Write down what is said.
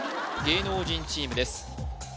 芸能人チームです